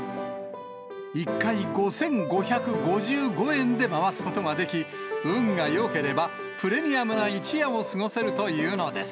１回５５５５円で回すことができ、運がよければプレミアムな一夜を過ごせるというのです。